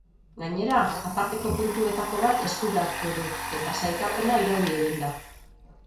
Gainera, aparteko puntuetako bat eskuratu du, eta sailkapena irauli egin da.